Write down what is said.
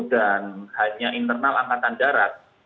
dan hanya internal angkatan darat